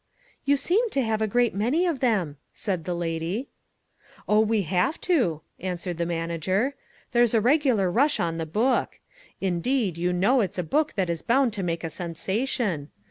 "You seem to have a great many of them," said the lady. "Oh, we have to," answered the manager. "There's a regular rush on the book. Indeed, you know it's a book that is bound to make a sensation.